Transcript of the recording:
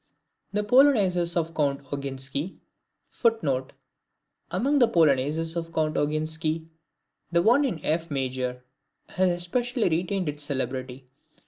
The Polonaises of Count Oginski [Footnote: Among the Polonaises of Count Oginski, the one in F Major has especially retained its celebrity.